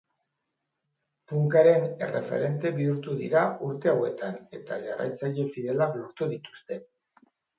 Punkaren erreferente bihurtu dira urte hauetan eta jarraitzaile fidelak lortu dituzte.